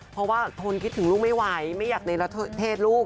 เพราะว่าทนคิดถึงลูกไม่ไหวไม่อยากในเทศลูก